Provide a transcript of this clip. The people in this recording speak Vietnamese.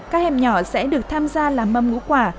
các em nhỏ sẽ được tham gia làm mâm ngũ quả